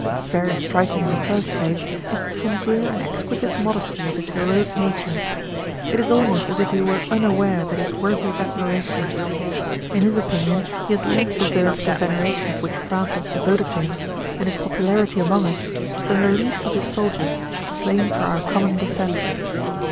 Very striking in the first place is the sincere and exquisite modesty of his heroic nature; it is almost as if he were unaware that he is worthy of admiration. In his opinion he has less deserved the veneration which France has devoted to him, and his popularity among us, than the least of his soldiers, slain for our common defence.